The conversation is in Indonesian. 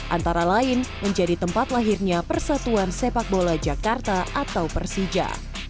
antara lain menjadi tempat lahirnya persatuan sepak bola jakarta atau persija